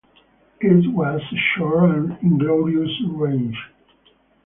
It was a short and inglorious reign.